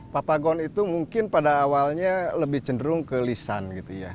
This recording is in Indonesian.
papagon itu mungkin pada awalnya lebih cenderung ke lisan gitu ya